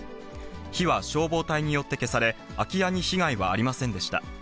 火は消防隊によって消され、空き家に被害はありませんでした。